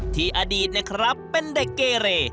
ที่อดีตนะครับเป็นเด็กเกเร